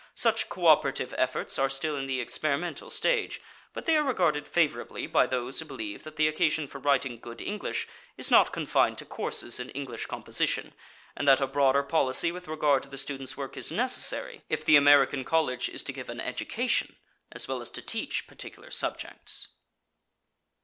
Such coöperative efforts are still in the experimental stage, but they are regarded favorably by those who believe that the occasion for writing good English is not confined to courses in English composition, and that a broader policy with regard to the student's work is necessary if the American college is to give an education as well as to teach particular subjects.